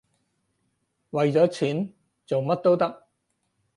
為咗錢，做乜都得